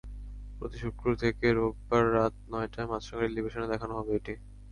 প্রতি শুক্র থেকে রোববার রাত নয়টায় মাছরাঙা টেলিভিশনে দেখানো হবে এটি।